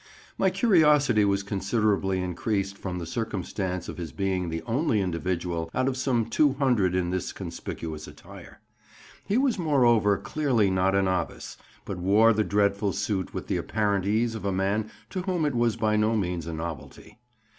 My curiosity was considerably increased from the circumstance of his being the only individual out of some two hundred in this conspicuous attire; he was moreover clearly not a novice, but wore the dreadful suit with the apparent ease of a man to whom it was by no means a novelty.